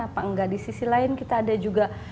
apa enggak di sisi lain kita ada juga